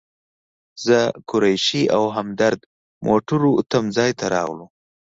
زه، قریشي او همدرد موټرو تم ځای ته راغلو.